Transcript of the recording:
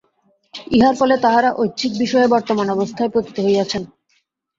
ইহার ফলে তাঁহারা ঐহিক বিষয়ে বর্তমান অবস্থায় পতিত হইয়াছেন।